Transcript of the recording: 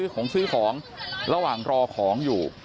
ของซื้อของระหว่างรอของอยู่